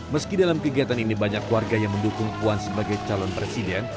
meski dalam kegiatan ini banyak warga yang mendukung puan sebagai calon presiden